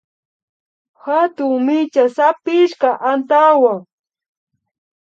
Hatun micha sapishka antawa